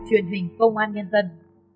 truyền hình công an nhân dân